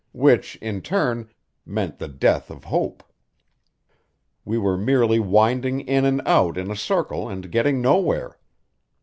Which, in turn, meant the death of hope; we were merely winding in and out in a circle and getting nowhere.